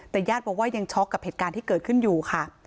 แต่ญาติบอกว่ายังช็อกกับเหตุการณ์ที่เกิดขึ้นอยู่ค่ะ